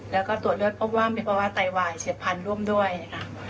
แล้วก็ตรวจเลือดพบว่ามีภาวะไตวายเฉียบพันธุ์ร่วมด้วยค่ะ